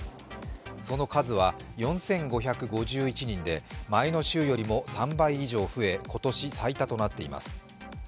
その数は４５５１人で前の週よりも３倍以上増え今年最多となっています。